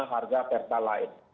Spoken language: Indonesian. harga pertalat lain